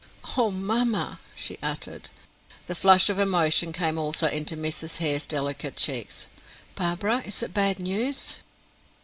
"Oh, mamma!" she uttered. The flush of emotion came also into Mrs. Hare's delicate cheeks. "Barbara, is it bad news?"